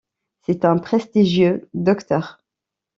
C'est un prestigieux docteur.